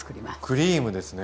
クリームですね。